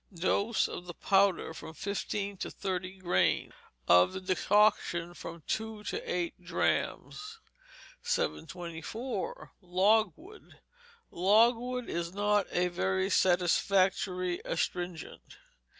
Dose of the powder, from fifteen to thirty grains; of the decoction, from two to eight drachms. 724. Logwood Logwood is not a very satisfactory astringent.